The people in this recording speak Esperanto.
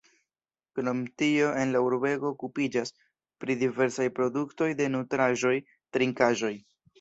Krom tio en la urbego okupiĝas pri diversaj produktoj de nutraĵoj, trinkaĵoj.